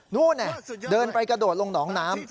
นู่นเดินไปกระโดดลงหนองน้ำ